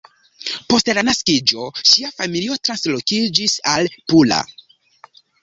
Post la naskiĝo ŝia familio translokiĝis al Pula.